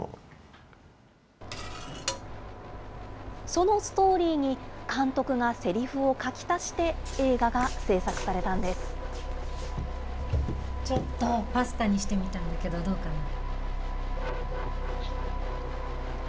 そのストーリーに監督がせりふを書き足して映画が製作されたちょっとパスタにしてみたんだけど、どうかな。